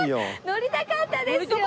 乗りたかったですよ！